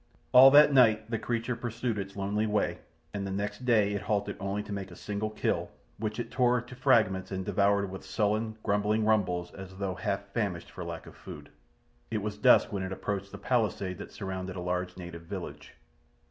All that night the creature pursued its lonely way, and the next day it halted only to make a single kill, which it tore to fragments and devoured with sullen, grumbling rumbles as though half famished for lack of food. It was dusk when it approached the palisade that surrounded a large native village.